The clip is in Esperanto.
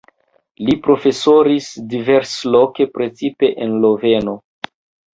Li profesoris diversloke, precipe en Loveno.